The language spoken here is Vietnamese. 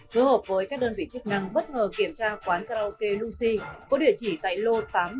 hứa hợp với các đơn vị chức năng bất ngờ kiểm tra quán karaoke lucy có địa chỉ tại lô tám trăm một mươi sáu